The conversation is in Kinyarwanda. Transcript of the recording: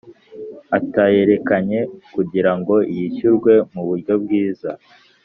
atayerekanye kugira ngo yishyurwe mu buryo bwiza